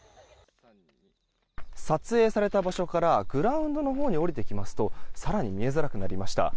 撮影された場所からグラウンドのほうに下りてきますと更に見えづらくなりました。